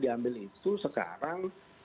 diambil itu sekarang